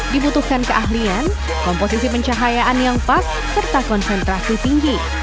dibutuhkan keahlian komposisi pencahayaan yang pas serta konsentrasi tinggi